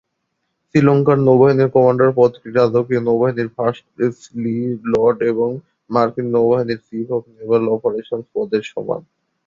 শ্রীলঙ্কার নৌবাহিনীর কমান্ডার পদটি রাজকীয় নৌবাহিনীর ফার্স্ট সি লর্ড এবং মার্কিন নৌবাহিনীর চীফ অব নেভাল অপারেশন্স পদের সমান।